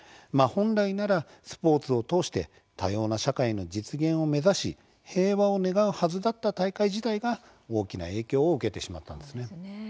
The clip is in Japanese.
本来ならスポーツを通して多様な社会の実現を目指し平和を願うはずだった大会自体が大きな影響を受けてしまったんですね。